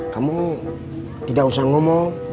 kamu tidak usah ngomong